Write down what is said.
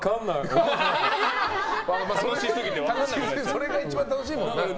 それが一番楽しいのかな。